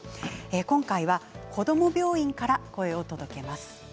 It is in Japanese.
今回はこども病院から声を届けます。